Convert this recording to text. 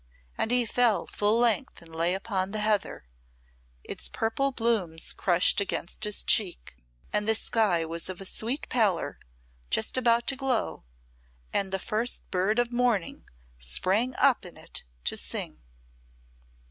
And he fell full length and lay upon the heather, its purple blooms crushed against his cheek; and the sky was of a sweet pallor just about to glow, and the first bird of morning sprang up in it to sing.